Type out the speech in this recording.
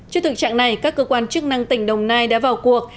trước thực trạng này các cơ quan chức năng tỉnh đồng nai đã vào cuộc